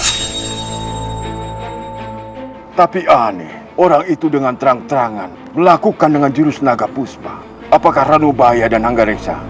hai tapi aneh orang itu dengan terang terangan melakukan dengan jurus naga puspa apakah ranubaya dan hangga reksa